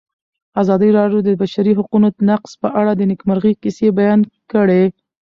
ازادي راډیو د د بشري حقونو نقض په اړه د نېکمرغۍ کیسې بیان کړې.